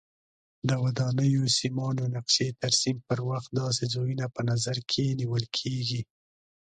د ودانیو سیمانو نقشې ترسیم پر وخت داسې ځایونه په نظر کې نیول کېږي.